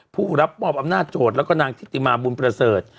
ผู้รับมอบอำนาจโจทย์แล้วก็นางทิติมาบุญประเสริฐ